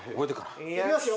いきますよ